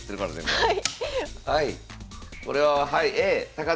はい。